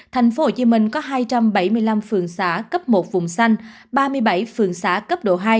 tp hcm có hai trăm bảy mươi năm phường xã cấp một vùng xanh ba mươi bảy phường xã cấp độ hai